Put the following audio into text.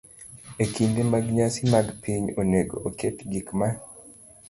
E kinde mag nyasi mag piny, onego oket gik ma